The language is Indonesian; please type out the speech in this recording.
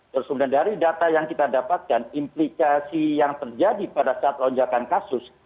terus kemudian dari data yang kita dapatkan implikasi yang terjadi pada saat lonjakan kasus